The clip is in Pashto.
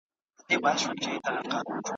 دجهان پر مخ ځليږي `